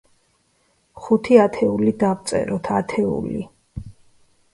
ხუთი ათეული დავწეროთ, ათეული.